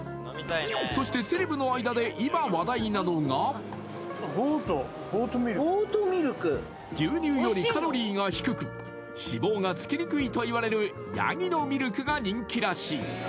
そしてセレブの間で今話題なのが牛乳よりカロリーが低く脂肪がつきにくいといわれるヤギのミルクが人気らしい。